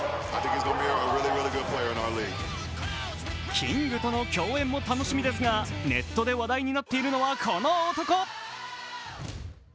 キングとの共演も楽しみですが、ネットで話題になっているのはこの男。